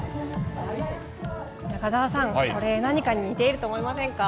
中澤さん、これ何かに似ていると思いませんか？